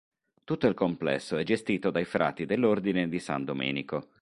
Tutto il complesso è gestito dai frati dell'Ordine di San Domenico.